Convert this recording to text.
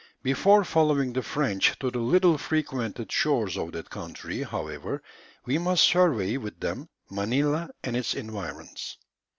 Before following the French to the little frequented shores of that country, however, we must survey with them Manilla and its environs.